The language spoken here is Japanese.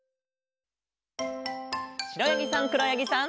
しろやぎさんくろやぎさん。